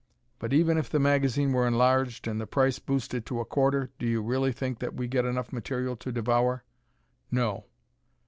But, even if the magazine were enlarged and the price boosted to a quarter, do you really think that we get enough material to devour? No!